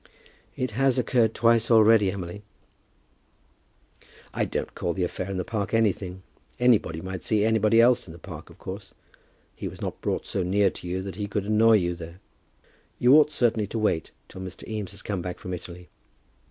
"It has occurred twice already, Emily." "I don't call the affair in the Park anything. Anybody may see anybody else in the Park, of course. He was not brought so near you that he could annoy you there. You ought certainly to wait till Mr. Eames has come back from Italy."